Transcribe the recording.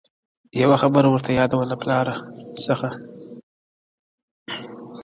یوه خبره ورته یاده وه له پلاره څخه؛